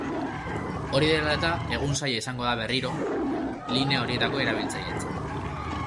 Hori dela eta, egun zaila izango da berriro linea horietako erabiltzaileentzat.